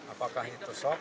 apakah itu sok